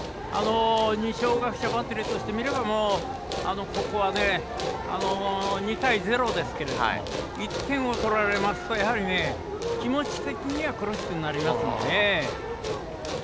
二松学舍バッテリーからして見ればここは２対０ですけれども１点を取られますと気持ち的には苦しくなりますので。